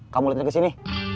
kamu letaknya kesini